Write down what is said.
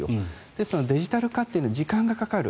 ですから、デジタル化というのは時間がかかる。